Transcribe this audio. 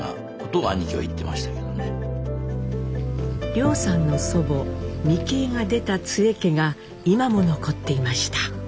凌さんの祖母ミキエが出た津江家が今も残っていました。